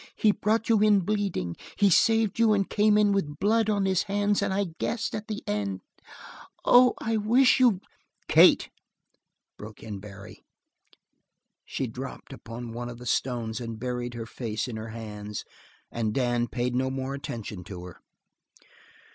"He brought you in bleeding. He saved you and came in with blood on his hands and I guessed at the end. Oh, I wish you " "Kate!" broke in Barry. She dropped upon one of the stones and buried her face in her hands and Dan paid no more attention to her.